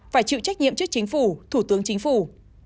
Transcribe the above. phải chịu trách nhiệm trước chính phủ thủ tướng chính phủ